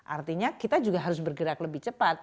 artinya kita juga harus bergerak lebih cepat